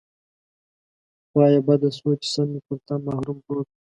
خوا یې بده شوه چې سر مې پر نامحرم پروت و.